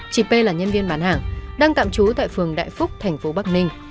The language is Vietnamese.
chị p là nhân viên bán hàng đang tạm trú tại phường đại phúc thành phố bắc ninh